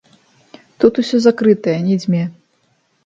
Тут усё закрытае, не дзьме.